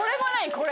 これ。